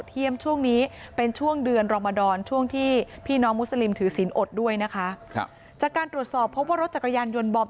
ที่พี่น้องมุสลิมถือสินอดด้วยนะคะจากการตรวจสอบเพราะว่ารถจักรยานยนต์บอบ